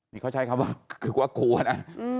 นี่เขาใช้คำว่าคือกลัวนะ